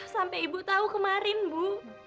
sampai ibu tahu kemarin bu